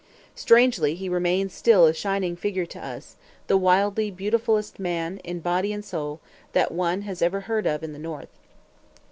Strangely he remains still a shining figure to us; the wildly beautifulest man, in body and in soul, that one has ever heard of in the North.